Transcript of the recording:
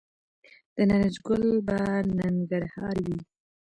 د نارنج ګل به پرننګرهار وي